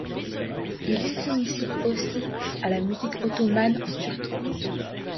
Il s'initie aussi à la musique ottomane en Turquie.